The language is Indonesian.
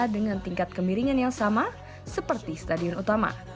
dengan tingkat kemiringan yang sama seperti stadion utama